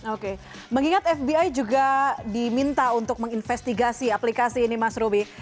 oke mengingat fbi juga diminta untuk menginvestigasi aplikasi ini mas ruby